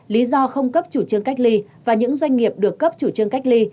lý do không cấp chủ trương cách ly và những doanh nghiệp được cấp chủ trương cách ly